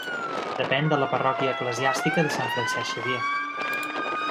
Depèn de la parròquia eclesiàstica de Sant Francesc Xavier.